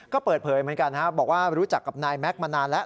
ก็เปิดเผยเหมือนกันบอกว่ารู้จักกับนายแม็กซ์มานานแล้ว